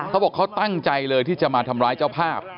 เขาบอกเขาตั้งใจเลยที่จะมาทำร้ายเจ้าภาพ